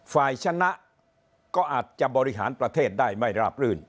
ฝ่ายชนะก็อาจจะบริหารประเทศได้ไม่ราบรื่น